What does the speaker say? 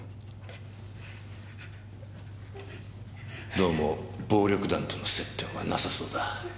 どうも暴力団との接点はなさそうだ。